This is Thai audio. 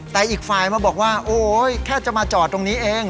แต่อีกฝ่ายมาบอกว่าโอ๊ยแค่จะมาจอดตรงนี้เอง